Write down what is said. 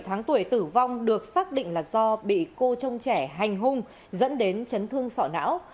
sáu tháng tuổi tử vong được xác định là do bị cô trong trẻ hành hung dẫn đến chấn thương sọ não